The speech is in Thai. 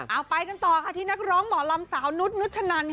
เอาไปกันต่อค่ะที่นักร้องหมอลำสาวนุษนุชนันค่ะ